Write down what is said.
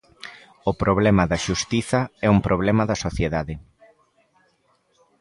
"O problema da Xustiza é un problema da sociedade".